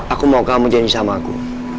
aku mau kamu jadi sama aku